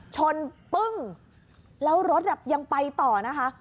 ปึ้งแล้วรถยังไปต่อนะคะ